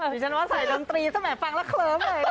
ดิฉันว่าใส่ดนตรีตั้งแต่ฟังแล้วเคลิ้มเลย